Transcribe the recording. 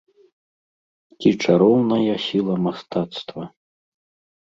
Ці чароўная сіла мастацтва.